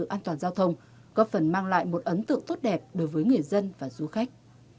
an toàn giao thông có phần mang lại một ấn tượng thốt đẹp đối với người dân và du khách